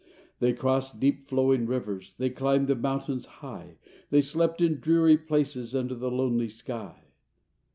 They crossed deep flowing rivers, They climbed the mountains high, They slept in dreary places Under the lonely sky.